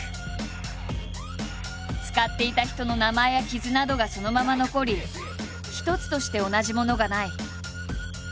使っていた人の名前や傷などがそのまま残り一つとして同じものがない。